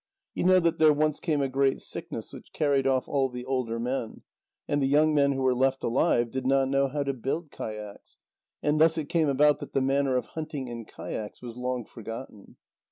You know that there once came a great sickness which carried off all the older men, and the young men who were left alive did not know how to build kayaks, and thus it came about that the manner of hunting in kayaks was long forgotten.